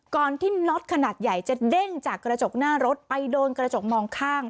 ก่อนที่น็อตขนาดใหญ่จะเด้งจากกระจกหน้ารถไปโดนกระจกมองข้าง